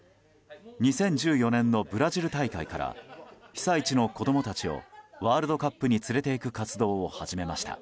２０１４年のブラジル大会から被災地の子供たちをワールドカップに連れていく活動を始めました。